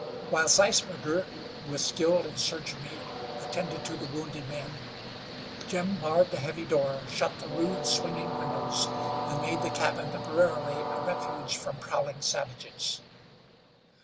While Zeisberger, who was skilled in surgery, attended to the wounded men, Jim barred the heavy door, shut the rude, swinging windows, and made the cabin temporarily a refuge from prowling savages.